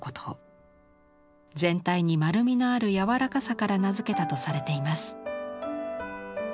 全体に丸みのある柔らかさから名付けたとされています。